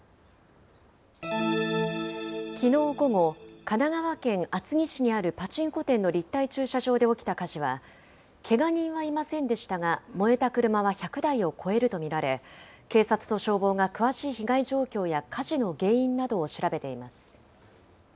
きのう午後、神奈川県厚木市にあるパチンコ店の立体駐車場で起きた火事は、けが人はいませんでしたが、燃えた車は１００台を超えると見られ、警察と消防が詳しい被害状況や火事の原因などを調べています。